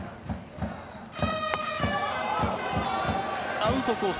アウトコース